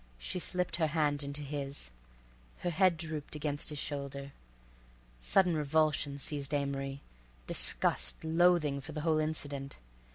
She slipped her hand into his, her head drooped against his shoulder. Sudden revulsion seized Amory, disgust, loathing for the whole incident.